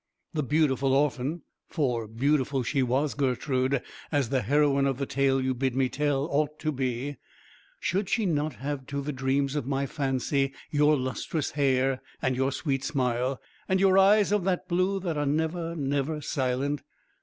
The beautiful orphan (for beautiful she was, Gertrude, as the heroine of the tale you bid me tell ought to be, should she not have to the dreams of my fancy your lustrous hair, and your sweet smile, and your eyes of blue, that are never, never silent?